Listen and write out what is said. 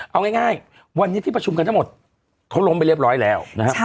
เอาง่ายวันนี้ที่ประชุมกันทั้งหมดเขาล้มไปเรียบร้อยแล้วนะครับ